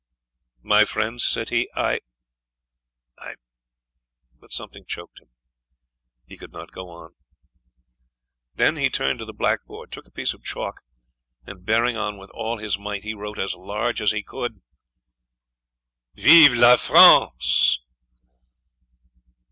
"My friends," said he, "I I " But something choked him. He could not go on. Then he turned to the blackboard, took a piece of chalk, and, bearing down with all his might, he wrote as large as he could: "Vive la France!"